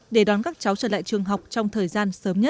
để đón các cháu trở lại trường học trong thời gian sớm nhất